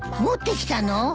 持ってきたの？